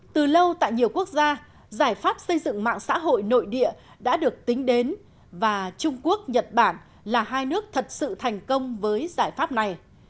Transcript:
từ lâu tại nhiều quốc gia giải pháp xây dựng mạng xã hội nội địa đã được tính đến và trung quốc nhật bản là hai nước thật sự thành công với giải pháp này